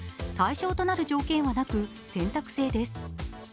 対象となる条件はなく、選択制です